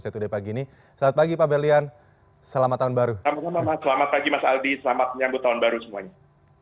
selamat pagi mas aldi selamat menyambut tahun baru semuanya